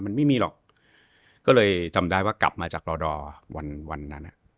มันไม่มีหรอกก็เลยจำได้ว่ากลับมาจากรอดอร์วันนั้นอ่ะ